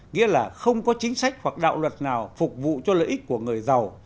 nghĩa là không có chính sách hoặc đạo luật nào phục vụ cho lợi ích của người giàu